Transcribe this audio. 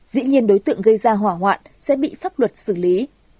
dĩ nhiên đối tượng gây ra hỏa hoạn sẽ bị pháp luật xử lý